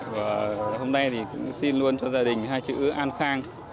và hôm nay thì cũng xin luôn cho gia đình hai chữ an khang